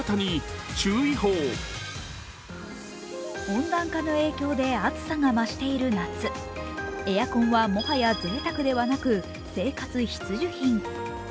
温暖化の影響で暑さが増している夏、エアコンはもはやぜいたくではなく生活必需品。